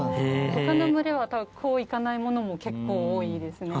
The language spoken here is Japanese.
他の群れはたぶんこういかないものも結構多いですね。